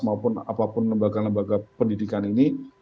maupun apapun lembaga lembaga pendidikan ini